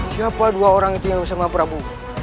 siapa dua orang itu yang bersama prabowo